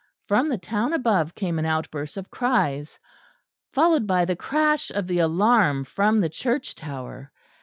From the town above came an outburst of cries, followed by the crash of the alarm from the church tower.